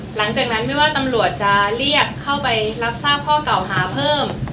หลังจากนั้นไม่ว่าตำรวจจะเรียกเข้าไปรับทราบข้อเก่าหาเพิ่ม